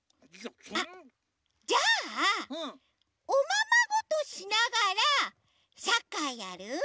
あっじゃあおままごとしながらサッカーやる？